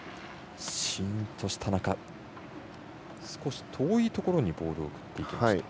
シーンとした中少し遠いところにボールを送っていきました。